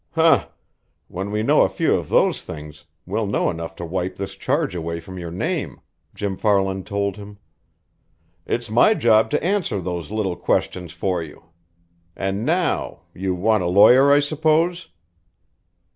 "Huh! When we know a few of those things, we'll know enough to wipe this charge away from your name," Jim Farland told him. "It's my job to answer those little questions for you. And now you want a lawyer, I suppose?"